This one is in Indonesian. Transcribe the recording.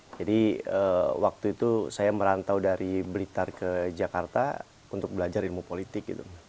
jadi waktu itu saya merantau dari blitar ke jakarta untuk belajar ilmu politik